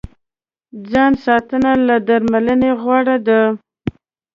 ځان ساتنه له درملنې غوره ده.